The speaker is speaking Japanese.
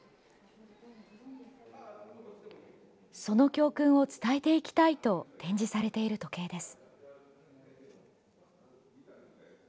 その教訓を伝えていきたいと展示されている時計です。